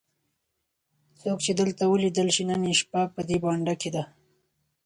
څوک چې دلته ولیدل شي نن یې شپه په دې بانډه کې ده.